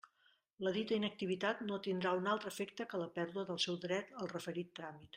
La dita inactivitat no tindrà un altre efecte que la pèrdua del seu dret al referit tràmit.